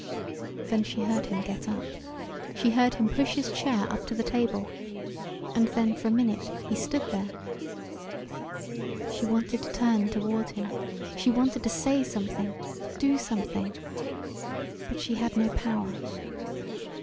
Then she heard him get up. She heard him push his chair up to the table, and then for a minute he stood there. She wanted to turn toward him; she wanted to say something do something. But she had no power.